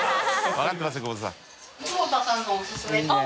分かってますよ